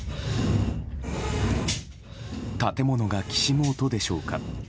建物がきしむ音でしょうか。